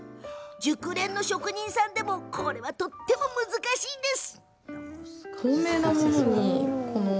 熟練の職人さんでもとっても難しいんです。